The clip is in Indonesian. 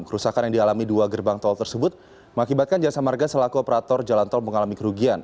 kerusakan yang dialami dua gerbang tol tersebut mengakibatkan jasa marga selaku operator jalan tol mengalami kerugian